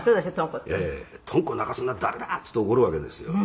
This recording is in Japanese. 「“トンコ泣かすのは誰だ！”って言って怒るわけですよ」